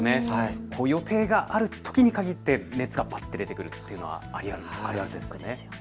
予定があるときに限って熱が出てくるというのはあるあるですよね。